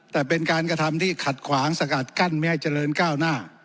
แต่เป็นการกระทำที่ขัดขวางสกัดกั้นไม่ให้เจริญก้าวหน้า